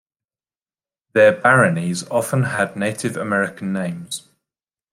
Their "baronies" often had Native American names.